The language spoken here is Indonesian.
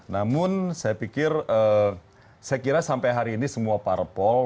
namun saya pikir saya kira sampai hari ini semua parpol